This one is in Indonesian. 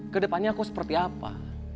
kedepannya aku seperti apa